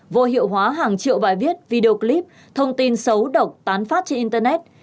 vô hiệu hóa hàng triệu bài viết video clip thông tin xấu độc tán phát trên internet